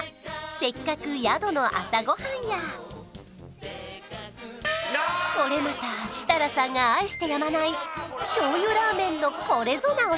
せっかく宿の朝ごはんやこれまた設楽さんが愛してやまない醤油ラーメンのこれぞなお